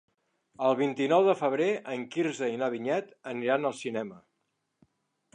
El vint-i-nou de febrer en Quirze i na Vinyet aniran al cinema.